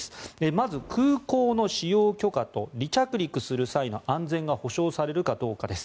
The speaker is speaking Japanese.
ます、空港の使用許可と離着する際の安全が保障されるかどうかです。